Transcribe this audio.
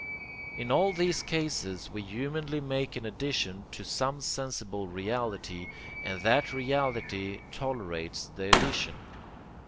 In all these cases we humanly make an addition to some sensible reality, and that reality tolerates the addition.